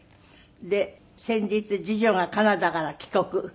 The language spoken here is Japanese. で先日次女がカナダから帰国。